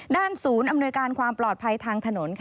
ศูนย์อำนวยการความปลอดภัยทางถนน